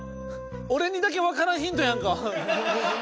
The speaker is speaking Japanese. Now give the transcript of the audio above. おれにだけわからんヒントやんか。